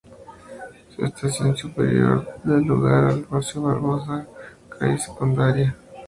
Su estación superior da lugar al paseo Barbosa, calle secundaria del cerro Mariposas.